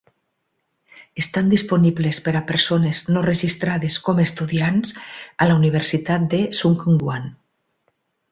Estan disponibles per a persones no registrades com estudiants a la Universitat de Sungkyunkwan.